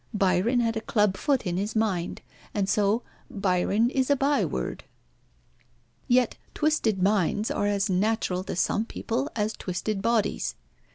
Byron had a club foot in his mind, and so Byron is a by word. Yet twisted minds are as natural to some people as twisted bodies.